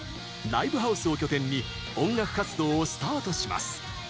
ライブハウスを拠点に音楽活動をスタートします。